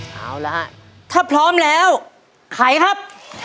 เอาละฮะถ้าพร้อมแล้วไขครับ